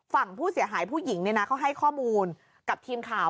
ฝั่งผู้เสียหายผู้หญิงเนี่ยนะเขาให้ข้อมูลกับทีมข่าว